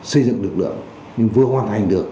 xây dựng lực lượng nhưng vừa hoàn thành được